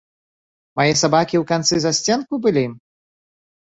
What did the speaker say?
Мае сабакі ў канцы засценку былі?